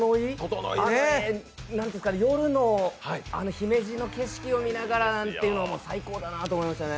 あれ、夜の姫路の景色を見ながらなんていうのも最高だなと思いました。